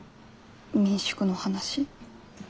民宿の話。